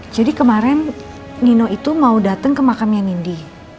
jadi kemarin nino itu mau datang ke makamnya nindi